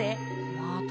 また？